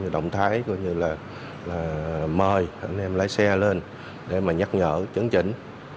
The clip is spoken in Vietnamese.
động thái gọi như là mời anh em lái xe lên để mà nhắc nhở chấn chỉnh